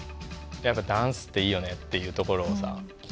やっぱダンスっていいよねっていうところをさ。